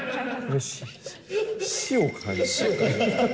死を感じた。